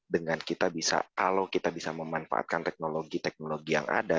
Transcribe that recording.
dengan kita bisa kalau kita bisa memanfaatkan teknologi teknologi yang ada